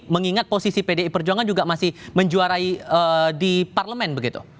mengingat posisi pdi perjuangan juga masih menjuarai di parlemen begitu